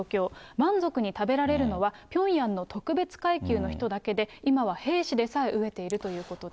満足に食べられるのはピョンヤンの特別階級の人だけで、今は兵士でさえ飢えているということです。